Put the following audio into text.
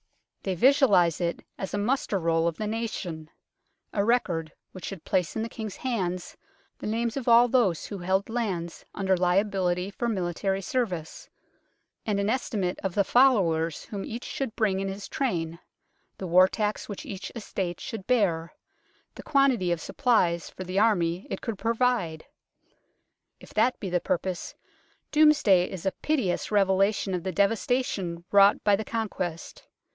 They visualize it as a muster roll of the nation ; a record which should place in the King's hands the names of all those who held lands under liability for military service, and an estimate of the followers whom each should bring in his train, the war tax which each estate should bear, the quantity of supplies for the Army it could provide. If that be the pur pose, Domesday is a pitiless revelation of the devastation wrought by the Conquest.